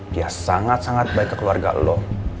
dia sangat sangat baik ke keluarga lo